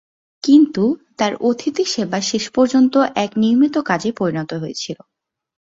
কিন্তু, তার অতিথিসেবা শেষ পর্যন্ত এক নিয়মিত কাজে পরিণত হয়েছিল।